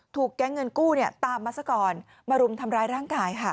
แก๊งเงินกู้ตามมาซะก่อนมารุมทำร้ายร่างกายค่ะ